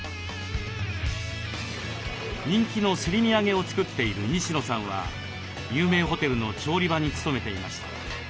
人気のすり身揚げを作っている西野さんは有名ホテルの調理場に勤めていました。